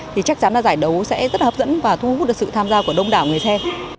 thì chắc chắn là giải đấu sẽ rất hấp dẫn và thu hút được sự tham gia của đông đảo người xem